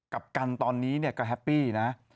กับกันตอนนี้เนี่ยก็แฮปปี้นะ